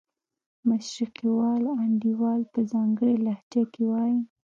مشرقي وال انډیوال په ځانګړې لهجه کې وایي.